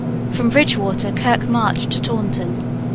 From Bridgewater Kirke marched to Taunton.